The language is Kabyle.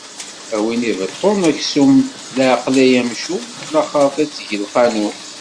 A win ibeṭṭun aksum leɛqel ay amcum, laxeṛt ad teg lqanun!